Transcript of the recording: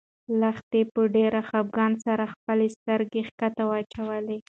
لښتې په ډېر خپګان سره خپلې سترګې ښکته واچولې.